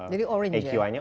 jadi orange ya